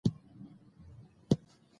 او نامتو خواړه دي،